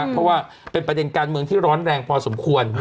เพราะว่าเป็นประเด็นการเมืองที่ร้อนแรงพอสมควร